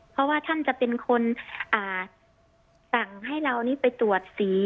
เพราะว่าท่านจะเป็นคนสั่งให้เรานี้ไปตรวจสี